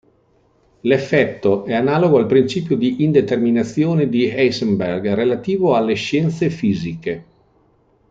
L'effetto è analogo al principio di indeterminazione di Heisenberg relativo alle scienze fisiche.